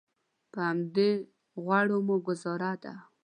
په همدې غوړو مو ګوزاره ده.